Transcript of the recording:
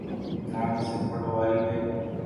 نہ کسی پٹواری پہ۔